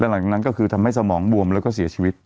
หลังจากนั้นก็คือทำให้สมองบวมแล้วก็เสียชีวิต